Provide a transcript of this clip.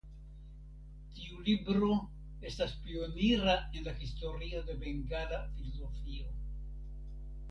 Tiu libro estas pionira en la historio de bengala filozofio.